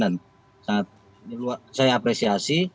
dan saya apresiasi